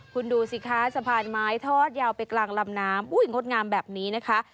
คุณดูสิคะสะพานไม้ทอดยาวไปกลางลำน้ำอุ้ยงดงามแบบนี้นะคะ